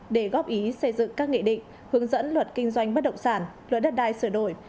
để góp ý xây dựng các nghị định hướng dẫn luật kinh doanh bất động sản luật đất đai sửa đổi